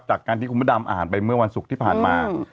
จากการที่คุณพระดำอ่านไปเมื่อวันศุกร์ที่ผ่านมา